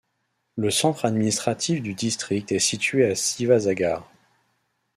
Le centre administratif du district est situé à Sivasagar.